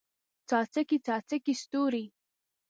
څاڅکي، څاڅکي ستوري